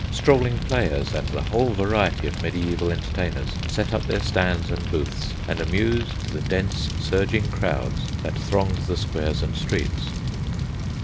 Strolling players and the whole variety of mediæval entertainers set up their stands and booths, and amused the dense surging crowds that thronged the squares and streets.